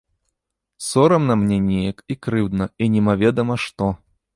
Сорамна мне неяк і крыўдна і немаведама што.